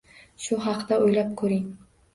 Shu haqida o`ylab ko`ring